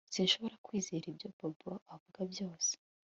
Sinshobora kwizera ibyo Bobo avuga byose